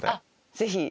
ぜひ！